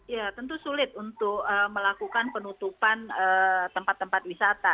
ya tentu sulit untuk melakukan penutupan tempat tempat wisata